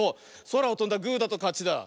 そらをとんだグーだとかちだ。